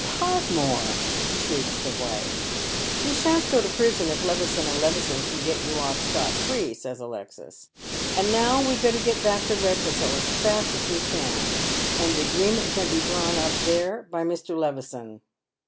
" Podmore !" shrieks the wife. " You shan't go to prison if Levison and Levison can get you off Bcot free," says Alexis. " And now we'd better get bock to Kedcastle as fast as we can, and the agreement can be drawn up there by Mr. Levison."